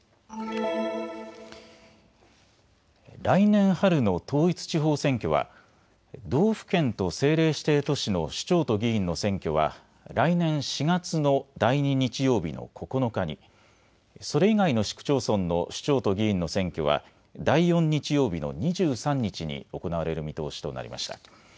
来年春の統一地方選挙は道府県と政令指定都市の首長と議員の選挙は来年４月の第２日曜日の９日にそれ以外の市区町村の首長と議員の選挙は第４日曜日の２３日に行われる見通しとなりました。